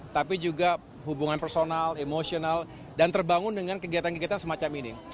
tapi juga hubungan personal emosional dan terbangun dengan kegiatan kegiatan semacam ini